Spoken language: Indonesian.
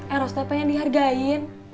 eros teh pengen dihargai